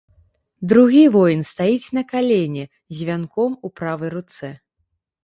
Другі воін стаіць на калене з вянком у правай руцэ.